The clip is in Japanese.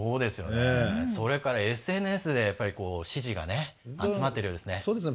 それからＳＮＳで支持が集まっているようですね。